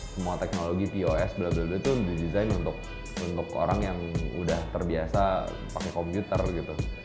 semua teknologi pos blablabla tuh didesain untuk orang yang udah terbiasa pakai komputer gitu